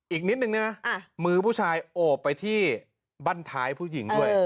อีกนิดนึงนะมือผู้ชายโอบไปที่บ้านท้ายผู้หญิงด้วย